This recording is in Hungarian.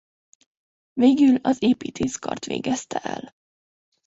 Végül az építész kart végezte el.